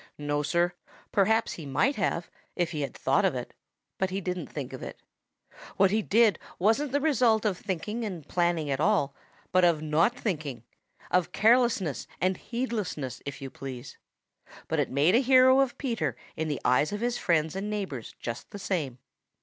No, Sir. Perhaps he might have, if he had thought of it, but he didn't think of it. What he did wasn't the result of thinking and planning at all, but of not thinking; of carelessness and heedlessness, if you please. But it made a hero of Peter in the eyes of his friends and neighbors just the same.